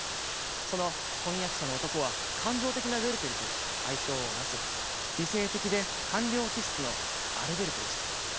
その婚約者の男は、感情的なウェルテルと対照を成す理性的で、官僚気質のアルベルトです。